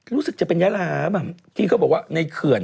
รู้สึกจะเป็นยาลามที่เขาบอกว่าในเขื่อน